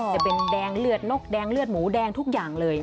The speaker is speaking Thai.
จะเป็นแดงเลือดนกแดงเลือดหมูแดงทุกอย่างเลย